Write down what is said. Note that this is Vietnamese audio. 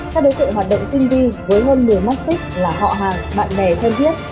các đối tượng hoạt động tinh vi với hơn nửa mắt xích là họ hàng bạn bè thân thiết